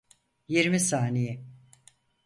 Yirmi saniye.